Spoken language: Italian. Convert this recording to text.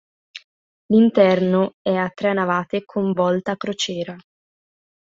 L'interno è a tre navate con volta a crociera.